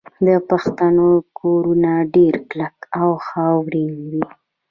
د پښتنو کورونه ډیر کلک او خاورین وي.